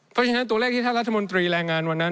เพราะฉะนั้นตัวเลขที่ท่านรัฐมนตรีแรงงานวันนั้น